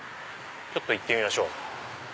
ちょっと行ってみましょう。